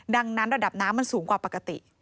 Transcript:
ดังนั้นระดับน้ำมันสูงกว่าปกติ